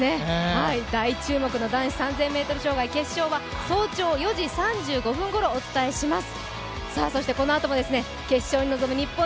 大注目の男子３０００ｍ障害決勝は早朝４時３５分ごろお伝えします。